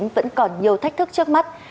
vẫn còn nhiều thách thức trước mắt